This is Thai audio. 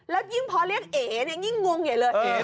แล้วยิ่งพอเรียกเฟเอะเอะเนี่ย